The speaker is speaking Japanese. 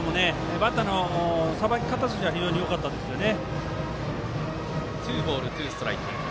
バッターのさばき方としては非常によかったですね。